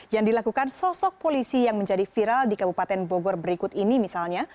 yang dilakukan sosok polisi yang menjadi viral di kabupaten bogor berikut ini misalnya